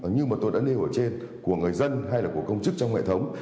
như mà tôi đã nêu ở trên của người dân hay là của công chức trong hệ thống